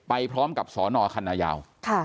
ไปพร้อมกับสอนอคัณะยาว